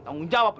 tanggung jawab lo